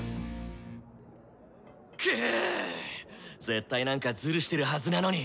絶対何かズルしてるはずなのに！